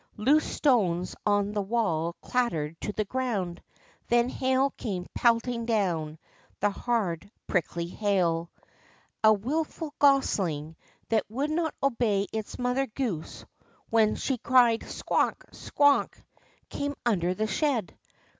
Loose stones on the wall clattered to the ground. Then hail came pelting down, the hard, prickly hail. A wilful gosling, that would not obey its mother goose when she cried, Squawk ! Squawk ! Come under the shed